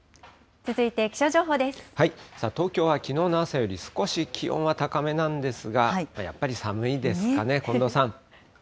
東京はきのうの朝より少し気温は高めなんですが、やっぱり寒いですかね、近藤さん。